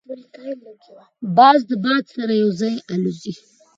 باز د باد سره یو ځای الوزي